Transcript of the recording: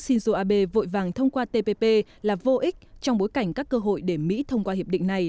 shinzo abe vội vàng thông qua tpp là vô ích trong bối cảnh các cơ hội để mỹ thông qua hiệp định này